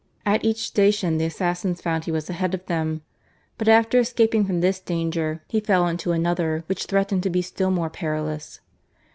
At each station the assassins found he was ahead of them. But after escaping from this danger he fell into another which threatened to be still more perilous.